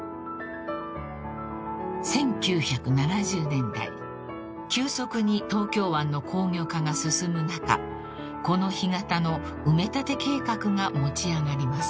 ［１９７０年代急速に東京湾の工業化が進む中この干潟の埋め立て計画が持ち上がります］